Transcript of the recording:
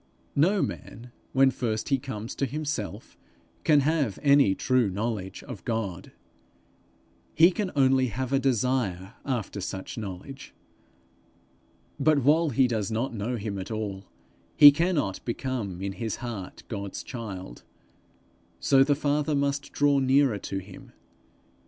No man, when first he comes to himself, can have any true knowledge of God; he can only have a desire after such knowledge. But while he does not know him at all, he cannot become in his heart God's child; so the Father must draw nearer to him.